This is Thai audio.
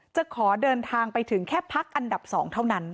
จะขอเดินทางไปถึงแค่พักอันดับ๒เท่านั้น